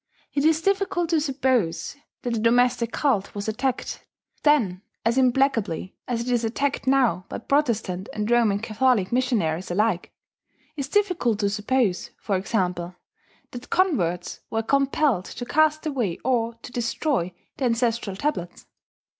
It is difficult to suppose that the domestic cult was attacked then as implacably as it is attacked now by Protestant and Roman Catholic missionaries alike; is difficult to suppose, for example, that Converts were compelled to cast away or to destroy their ancestral tablets.